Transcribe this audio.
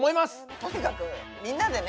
とにかくみんなでね。